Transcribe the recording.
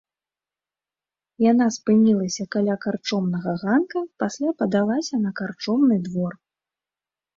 Яна спынілася каля карчомнага ганка, пасля падалася на карчомны двор.